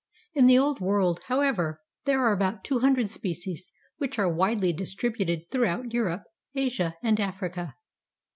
In the Old World, however, there are about two hundred species which are widely distributed throughout Europe, Asia and Africa.